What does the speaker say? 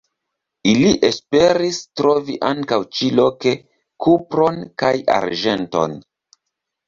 Ili esperis trovi ankaŭ ĉi-loke kupron kaj arĝenton.